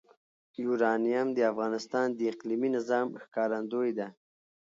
یورانیم د افغانستان د اقلیمي نظام ښکارندوی ده.